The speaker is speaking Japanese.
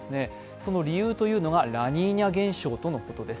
その理由というのがラニーニャ現象とのことです。